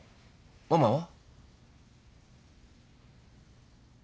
ママは？